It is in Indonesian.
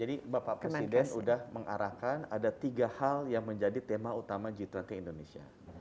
jadi bapak presiden sudah mengarahkan ada tiga hal yang menjadi tema utama g dua puluh indonesia